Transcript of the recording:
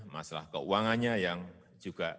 masalah keuangannya yang juga